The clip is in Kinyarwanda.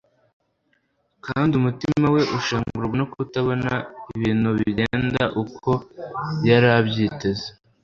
kandi umutima we ushengurwa no kutabona ibintu bigenda uko yari abyiteze